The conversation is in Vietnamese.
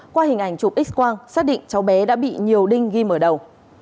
qua hình ảnh chụp x quang xác định cháu bé đã bị nhiều đinh ghim ở đầu